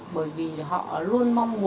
bởi vì họ luôn mong muốn